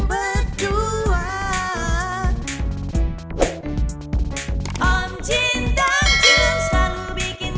bangun bangun bangun